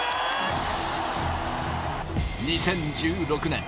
２０１６年